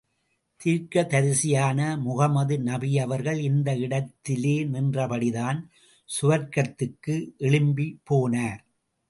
தீர்க்கதரிசியான Muhammad நபியவர்கள் இந்த இடத்திலே நின்றபடிதான் சுவர்க்கத்துக்கு எழும்பிப் போனார்.